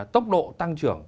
tốc độ tăng trưởng